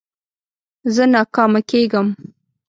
زه ناکامه کېږم.